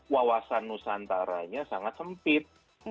wawasan nusantaranya sangat sempit